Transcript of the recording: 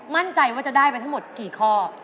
มั่นใจว่าจะได้ไปทั้งหมดกี่ข้อ